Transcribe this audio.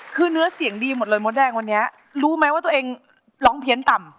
คือเนื้อเสียงดีหมดเลยมดแดงวันนี้รู้ไหมว่าตัวเองร้องเพี้ยนต่ำ